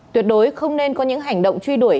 tuyệt đối không nên có những hành động truy đuổi